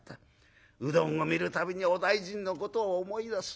うどんを見る度にお大尽のことを思い出す。